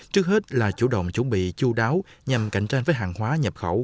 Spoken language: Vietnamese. trước hết là chủ động chuẩn bị chú đáo nhằm cạnh tranh với hàng hóa nhập khẩu